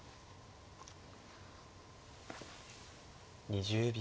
２０秒。